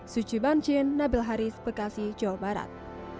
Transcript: suci bancin nabil haris bekasi jawa barat